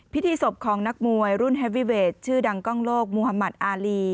พิธีศพของนักมวยรุ่นแฮปวิเวทชื่อดังกล้องโลกมุธมัติอารี